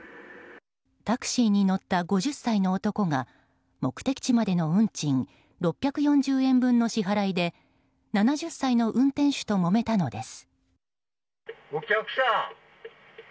タクシーに乗った５０歳の男が目的地までの運賃６４０円分の支払いで７０歳の運転手ともめたのです。